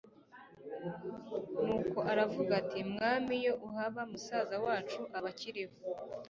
Nuko aravuga ati Mwami iyo uhaba musaza wacu aba akiriho